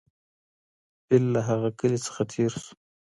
فیل له هغه کلي څخه تېر سو.